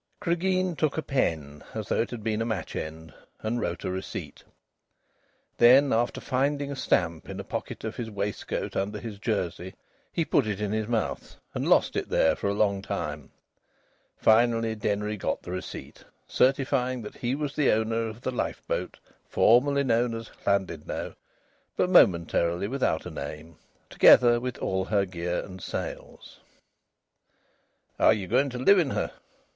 Cregeen took a pen as though it had been a match end and wrote a receipt. Then, after finding a stamp in a pocket of his waistcoat under his jersey, he put it in his mouth and lost it there for a long time. Finally Denry got the receipt, certifying that he was the owner of the lifeboat formerly known as Llandudno, but momentarily without a name, together with all her gear and sails. "Are ye going to live in her?"